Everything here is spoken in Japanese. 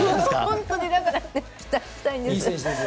本当に、だから期待したいです。